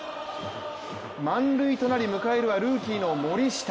満塁となり迎えるはルーキーの森下。